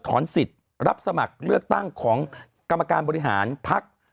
สิทธิ์รับสมัครเลือกตั้งของกรรมการบริหารพัก